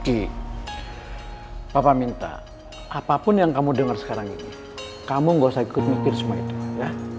ih papa minta apapun yang kamu dengar sekarang ini kamu gak usah ikut mikir semua itu ya